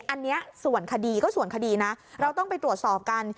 อันนี้ส่วนคดีก็ส่วนคดีนะเราต้องไปตรวจสอบกัน